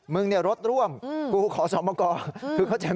มึงเนี่ยรถร่วมกูขอสอบโมกรเข้าใจไหม